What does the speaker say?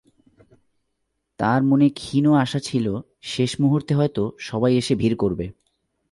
তাঁর মনে ক্ষীণ আশা ছিল শেষ মুহূর্তে হয়তো সবাই এসে ভিড় করবে।